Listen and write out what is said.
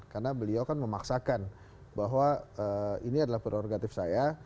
karena beliau kan memaksakan bahwa ini adalah prerogatif saya